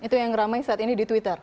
itu yang ramai saat ini di twitter